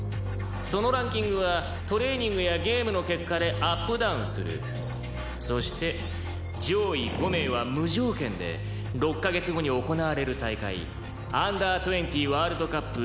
「そのランキングはトレーニングやゲームの結果でアップダウンする」「そして上位５名は無条件で６カ月後に行われる大会Ｕ−２０ワールドカップ